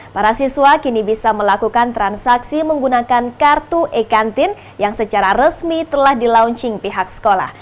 para siswa kini bisa melakukan transaksi menggunakan kartu e kantin yang secara resmi telah di launching pihak sekolah